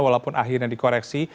walaupun akhirnya dikoreksi